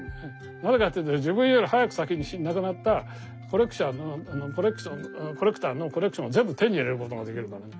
なぜかというと自分より早く先に亡くなったコレクションコレクターのコレクションを全部手に入れることができるからね。